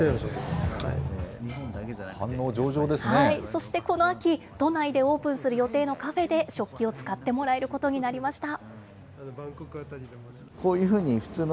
そしてこの秋、都内でオープンする予定のカフェで、食器を使ってもらえることになりました。